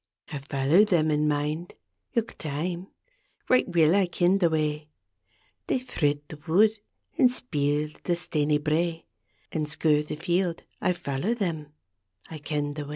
I follow them in mind Ilk time; right weel I ken the way, —■ They thrid the wood, an' speel the staney brae An' skir the field; I follow them, I ken the way.